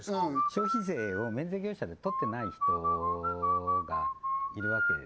消費税を免税業者で取ってない人がいるわけですね